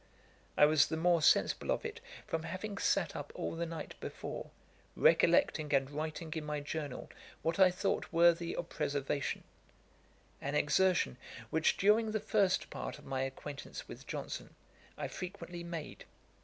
I was the more sensible of it from having sat up all the night before, recollecting and writing in my journal what I thought worthy of preservation; an exertion, which, during the first part of my acquaintance with Johnson, I frequently made.